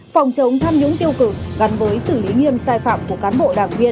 phòng chống tham nhũng tiêu cực gắn với xử lý nghiêm sai phạm của cán bộ đảng viên